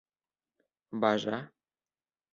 Бажа!